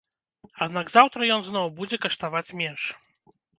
Аднак заўтра ён зноў будзе каштаваць менш.